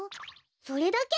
それだけ？